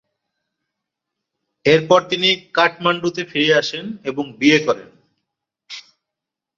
এরপর তিনি কাঠমান্ডুতে ফিরে আসেন এবং বিয়ে করেন।